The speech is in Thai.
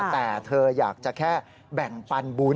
แต่เธออยากจะแค่แบ่งปันบุญ